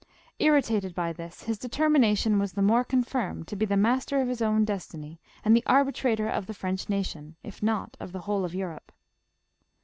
Irritated by this, his determination was the more confirmed to be the master of his own destiny and the arbitrator of the French nation, if not of the whole of Europe.